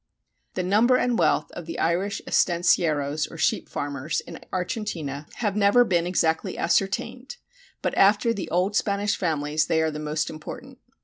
The number and wealth of the Irish estancieros, or sheep farmers, in Argentina have never been exactly ascertained, but after the old Spanish families they are the most important.